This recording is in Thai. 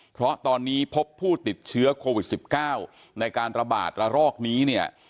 เพราะตอนนี้พบผู้ติดเชื้อโควิด๑๙ในการระบาดระรอกนี้เนี่ย